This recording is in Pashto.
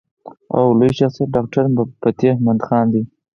او لوئ شخصيت ډاکټر فتح مند خان دے ۔